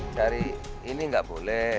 cari ini tidak boleh